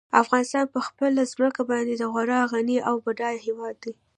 افغانستان په خپله ځمکه باندې خورا غني او بډای هېواد دی.